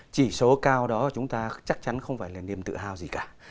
chỉ số cao đó chúng ta chắc chắn không phải là niềm tự hào gì cả